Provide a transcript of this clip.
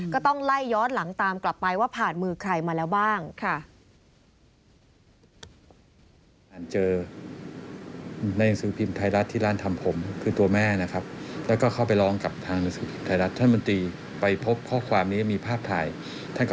ก็ต้องไล่ย้อนหลังตามกลับไปว่าผ่านมือใครมาแล้วบ้างค่ะ